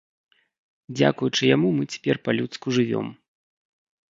Дзякуючы яму мы цяпер па-людску жывём.